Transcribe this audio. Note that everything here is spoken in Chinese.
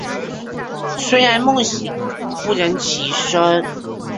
虽然梦醒不忍起身